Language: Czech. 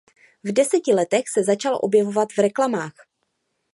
V deseti letech se začal objevovat v reklamách.